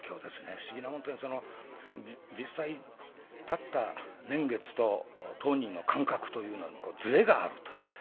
不思議なもんですね実際たった年月と当人の感覚というのにずれがあると。